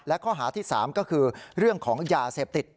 และข้อหาที่๓ก็คือเรื่องของยาเสพติด